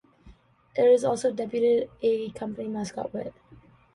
It also debuted a company mascot, "Wit".